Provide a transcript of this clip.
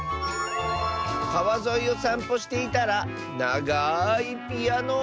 「かわぞいをさんぽしていたらながいピアノをみつけた！」。